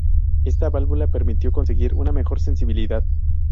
Esta válvula permitió conseguir una mejor sensibilidad.